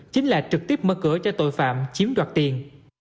chính là trực tiếp mở cửa cho tội phạm chiếm đoạt tiền